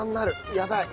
やばい。